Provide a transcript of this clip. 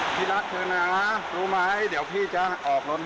พี่รักเธอนะรู้ไหมเดี๋ยวพี่จะออกรถ